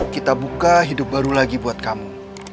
kita buka hidup baru lagi buat kamu